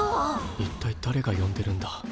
一体だれが呼んでるんだ。